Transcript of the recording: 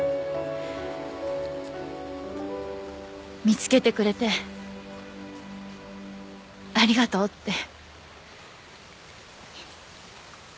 見つけてくれてありがとうって。